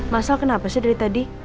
masalah kenapa sih dari tadi